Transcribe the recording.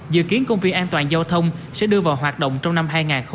dự kiến công viên an toàn giao thông sẽ đưa vào hoạt động trong năm hai nghìn hai mươi